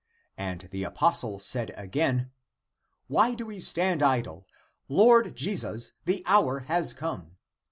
And the apostle said again, " Why do we stand idle ? Lord Jesus, the hour has come.